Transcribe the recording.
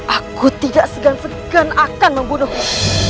aku tidak segan segan akan membunuhku